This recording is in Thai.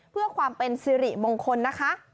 เพื่อความเป็นสิริมงคลนะคะ